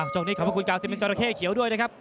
ช่วงนี้ขอบคุณกาซิเมนจอราเข้เขียวด้วยนะครับ